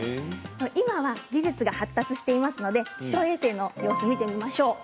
今は技術が発達していますので気象衛星の様子を見てみましょう。